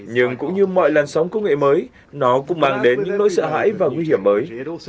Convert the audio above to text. nhưng cũng như mọi làn sóng công nghệ mới nó cũng mang đến những nỗi sợ hãi và nguy hiểm mới